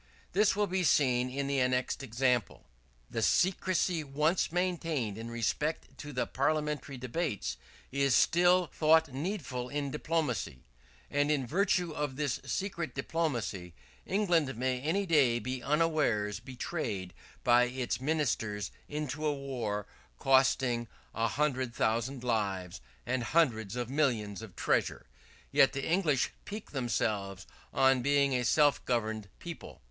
This will be seen in the annexed example: "The secrecy once maintained in respect to the parliamentary debates, is still thought needful in diplomacy; and in virtue of this secret diplomacy, England may any day be unawares betrayed by its ministers into a war costing a, hundred thousand lives, and hundreds of millions of treasure: yet the English pique themselves on being a self governed people."